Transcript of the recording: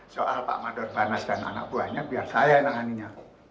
soal pak mandor banas dan anak buahnya biar saya yang menanganinya